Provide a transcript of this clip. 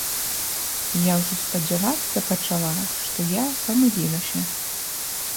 Я ўжо спадзявацца пачала, што я памылілася.